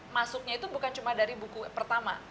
masuknya itu bukan cuma dari buku pertama